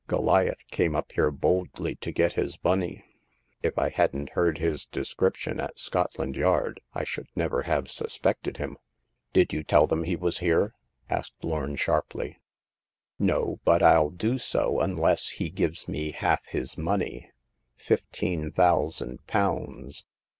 Goliath c^me up here boldly to get his money. If I hadn't heard his description at Scotland Yard I should never have suspected him," The Passing of Hagar. 289 Did you tell them he was here ?" asked Lorn, sharply. No ; but ril do so unless he gives me half his money — fifteen thousand pounds.